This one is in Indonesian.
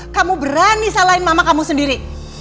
kamu berani salahin mama kamu sendiri